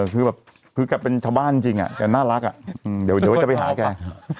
คือแบบคือแกเป็นชาวบ้านจริงแกน่ารักเดี๋ยวจะไปหาแก